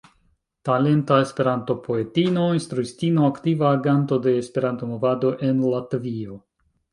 Talenta Esperanto-poetino, instruistino, aktiva aganto de Esperanto-movado en Latvio.